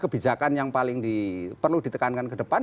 kebijakan yang paling perlu ditekankan ke depan